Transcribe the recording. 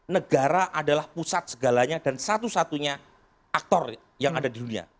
negara adalah pusat segalanya dan satu satunya aktor yang ada di dunia